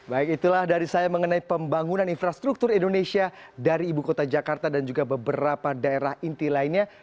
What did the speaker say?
baik itulah dari saya mengenai pembangunan infrastruktur indonesia dari ibu kota jakarta dan juga beberapa daerah inti lainnya